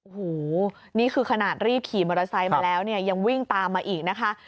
โอ้โหนี่คือขนาดรีบขี่มอเตอร์ไซค์มาแล้วเนี่ยยังวิ่งตามมาอีกนะคะ